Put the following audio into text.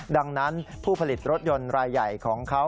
ดังนั้นผู้ผลิตรถยนต์รายใหญ่ของเขา